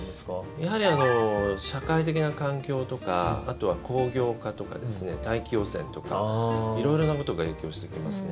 やはり社会的な環境とかあとは、工業化とか大気汚染とか色々なことが影響してきますね。